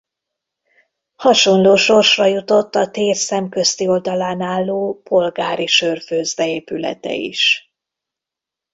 Hasonló sorsra jutott a tér szemközti oldalán álló Polgári sörfőzde épülete is.